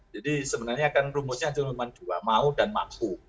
jadi sebenarnya kan rumusnya cuma dua mau dan mampu